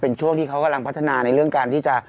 เป็นช่วงที่เขากำลังพัฒนาในเรื่องการที่จะ